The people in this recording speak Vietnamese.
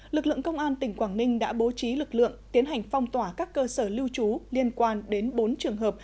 lực lượng công an tỉnh quảng ninh đã bố trí lực lượng tiến hành phong tỏa các cơ sở lưu trú liên quan đến bốn trường hợp